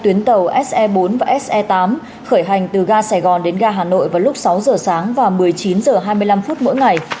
tuyến tàu se bốn và se tám khởi hành từ ga sài gòn đến ga hà nội vào lúc sáu giờ sáng và một mươi chín h hai mươi năm phút mỗi ngày